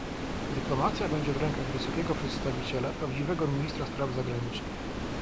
Dyplomacja będzie w rękach Wysokiego Przedstawiciela, prawdziwego ministra spraw zagranicznych